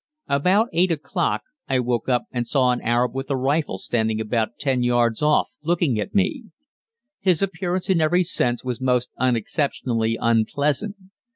About 8 o'clock I woke up and saw an Arab with a rifle standing about 10 yards off looking at me. His appearance in every sense was most unexceptionally unpleasant.